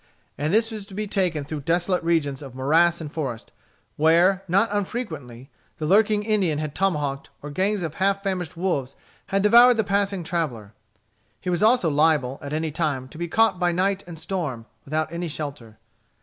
And this was to be taken through desolate regions of morass and forest, where, not unfrequently, the lurking Indian had tomahawked, or gangs of half famished wolves had devoured the passing traveller. He was also liable, at any time, to be caught by night and storm, without any shelter.